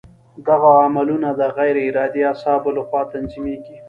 دغه عملونه د غیر ارادي اعصابو له خوا تنظیمېږي.